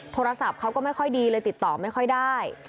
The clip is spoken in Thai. โทรศัพท์เขาก็ไม่ค่อยดีเลยติดต่อไม่ค่อยได้